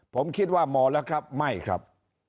ผมคิดว่าพอแล้วครับไม่ครับ